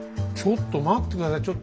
ちょっと待って下さい。